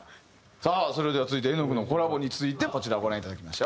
さあそれでは続いて絵音君のコラボについてこちらをご覧いただきましょう。